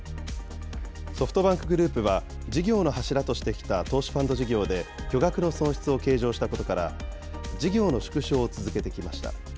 ソフトバンクグループは、事業の柱としてきた投資ファンド事業で巨額の損失を計上したことから、事業の縮小を続けてきました。